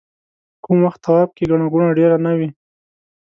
کوم وخت طواف کې ګڼه ګوڼه ډېره نه وي.